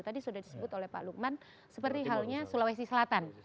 tadi sudah disebut oleh pak lukman seperti halnya sulawesi selatan